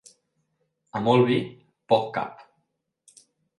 A molt vi, poc cap.